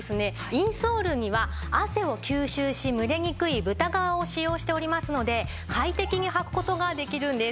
インソールには汗を吸収し蒸れにくい豚革を使用しておりますので快適に履く事ができるんです。